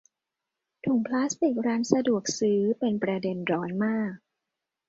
ถุงพลาสติกร้านสะดวกซื้อเป็นประเด็นร้อนมาก